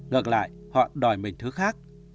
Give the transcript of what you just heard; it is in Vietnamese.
gợt lại họ đòi mình thứ khác